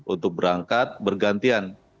untuk berangkat bergantian